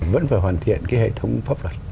vẫn phải hoàn thiện cái hệ thống pháp luật